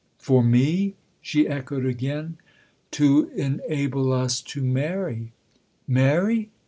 "' For ' me ?" she echoed again. " To enable us to marry." "Marry?